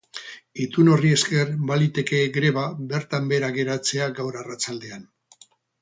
Itun horri esker, baliteke greba bertan behera geratzea gaur arratsaldean.